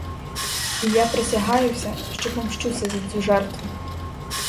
І я присягаюся, що помщуся за цю жертву!